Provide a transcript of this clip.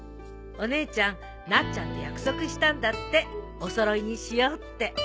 お姉ちゃんなっちゃんと約束したんだってお揃いにしようって。